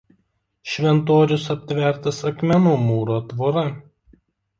Šventorius aptvertas akmenų mūro tvora.